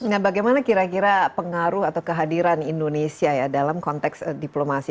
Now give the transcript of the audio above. nah bagaimana kira kira pengaruh atau kehadiran indonesia ya dalam konteks diplomasi